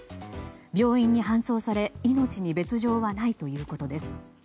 病院に搬送され命に別状はないということです。